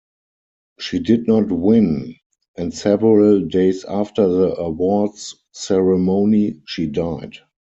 She did not win, and several days after the awards ceremony, she died.